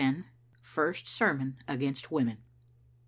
FIRST SERMON AGAINST WOMEN.